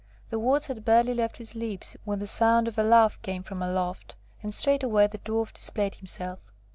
The words had barely left his lips when the sound of a laugh came from aloft, and straightway the Dwarf displayed himself.